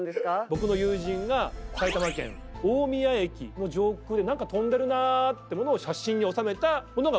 僕の友人が埼玉県大宮駅の上空でなんか飛んでるなってものを写真に収めたものがこちらです。